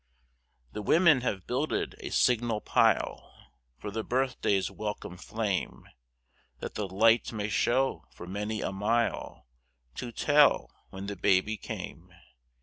The women have builded a signal pile For the birthday's welcome flame, That the light may show for many a mile To tell when the baby came!